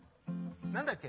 何だっけ？